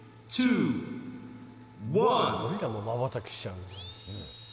俺らもまばたきしちゃうよね